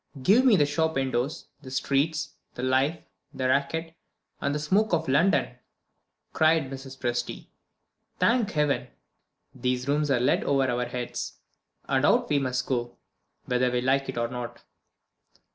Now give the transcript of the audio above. "Give me the shop windows, the streets, the life, the racket, and the smoke of London," cried Mrs. Presty. "Thank Heaven, these rooms are let over our heads, and out we must go, whether we like it or not."